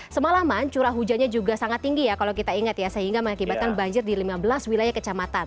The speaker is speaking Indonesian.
semalaman curah hujannya juga sangat tinggi ya kalau kita ingat ya sehingga mengakibatkan banjir di lima belas wilayah kecamatan